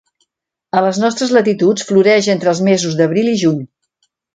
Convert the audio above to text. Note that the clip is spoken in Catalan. A les nostres latituds floreix entre els mesos d'abril i juny.